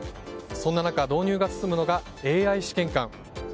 そんな中、導入が進むのがＡＩ試験官。